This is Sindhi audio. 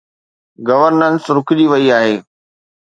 گورننس رڪجي وئي آهي.